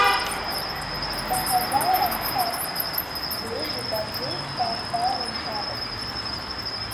Bi hezaran kes dê ji ber vê spasdarên te bin.